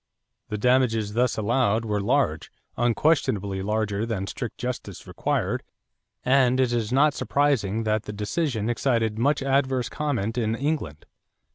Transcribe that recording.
The damages thus allowed were large, unquestionably larger than strict justice required and it is not surprising that the decision excited much adverse comment in England.